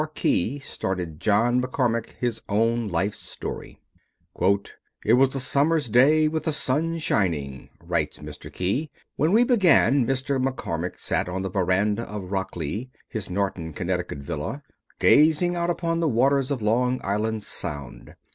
R. Key started John McCormack: His Own Life Story. "It was a summer's day, with the sun shining," writes Mr. Key, "when we began. McCormack sat on the veranda of Rocklea, his Noroton, Connecticut, villa, gazing out upon the waters of Long Island Sound.